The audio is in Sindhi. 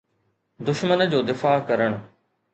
دشمن جو دفاع ڪرڻ.